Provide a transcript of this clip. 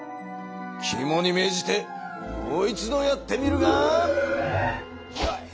きもにめいじてもう一度やってみるがよい！